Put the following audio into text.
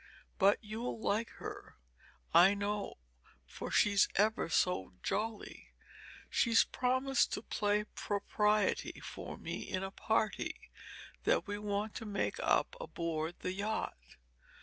But you'll like her, I know, for she's ever so jolly. She's promised to play propriety for me in a party that we want to make up aboard the yacht.